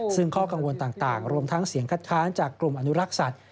ซึ่งข้อกังวลต่างรวมทั้งเสียงคัดค้านจากกลุ่มอนุรักษ์สัตว